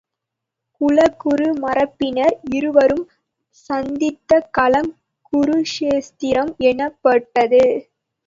குலகுரு மரபினர் இருவரும் சந்தித்த களம் குருக்ஷேத்திரம் எனப்பட்டது.